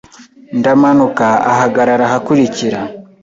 Ndamanuka ahagarara ahakurikira.